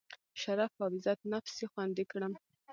شرف او عزت نفس یې خوندي کړم.